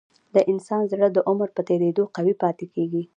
د انسان زړه د عمر په تیریدو قوي پاتې کېږي.